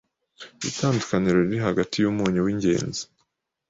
Itandukaniro riri hagati y’umunyu w’ingezi